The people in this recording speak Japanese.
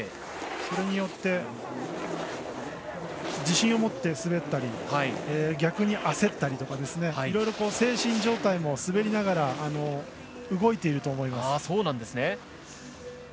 それによって自信を持って滑ったり逆に焦ったりいろいろ精神状態も滑りながら動いていると思います。